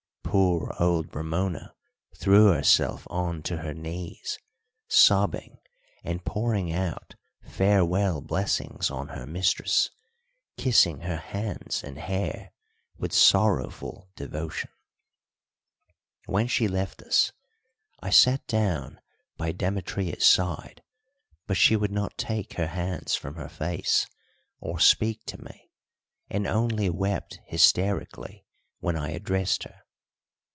Poor old Ramona threw herself on to her knees, sobbing and pouring out farewell blessings on her mistress, kissing her hands and hair with sorrowful devotion. When she left us I sat down by Demetria's side, but she would not takeher hands from her face or speak to me, and only wept hysterically when I addressed her.